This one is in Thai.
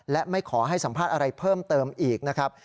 และไม่ขอให้สัมภาษณ์อะไรเพิ่มเติมอีกนะครับ